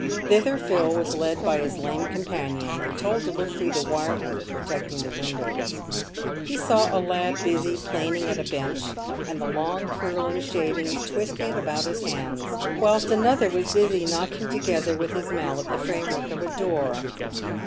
Thither Phil was led by his lame companion, and told to look through the wire work protecting the windows. He saw a lad busy planing at a bench, and the long curling shavings twisting about his hands, whilst another was busy knocking together with his mallet the framework of a door.